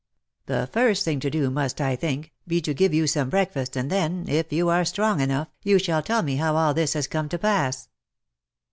The first thing to do, must, I think, be to give you some breakfast, and then, if you are strong enough, you shall tell me how all this has come to pass."